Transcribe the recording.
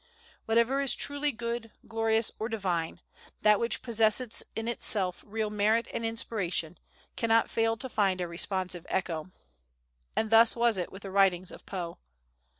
Whatever is truly good, glorious, or divine, that which possesses in itself real merit and inspiration, cannot fail to find a responsive echo. And thus was it with the writings of Poe.